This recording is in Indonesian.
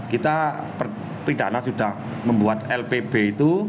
kita pidana sudah membuat lpb itu